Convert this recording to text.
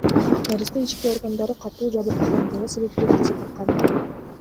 Наристе ички органдары катуу жабыркагандыгы себептүү каза тапкан.